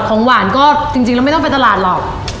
ของหวานก็จริงแล้วไม่ต้องไปตลาดหรอก